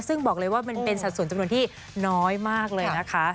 ซึ่งบอกเลยว่ามันเป็นสัดส่วนจำนวนที่น้อยมากเลยนะคะ